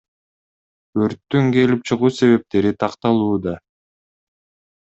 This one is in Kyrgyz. Өрттүн келип чыгуу себептери такталууда.